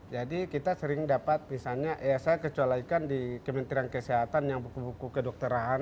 jadi kita sering dapat misalnya ya saya kecuali kan di kementerian kesehatan yang buku buku kedua